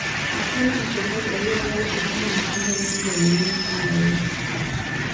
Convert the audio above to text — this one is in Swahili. Hakuna mchezaji aliyewahi kushinda makombe mengi ya dunia kama yeye